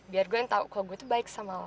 biar glenn tau kalau gue tuh baik sama lo